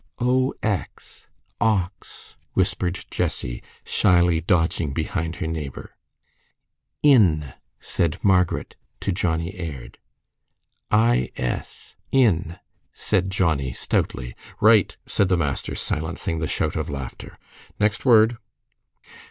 "O x, ox," whispered Jessie, shyly dodging behind her neighbor. "In!" said Margaret to Johnnie Aird. "I s, in," said Johnnie, stoutly. "Right!" said the master, silencing the shout of laughter. "Next word."